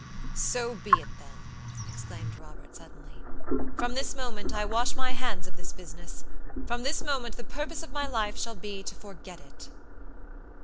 "So be it, then!" exclaimed Robert, suddenly; "from this moment I wash my hands of this business. From this moment the purpose of my life shall be to forget it."